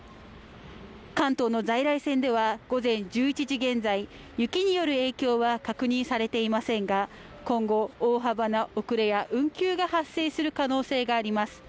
関東の在来線では午前１１時現在雪による影響は確認されていませんが今後大幅な遅れや運休が発生する可能性があります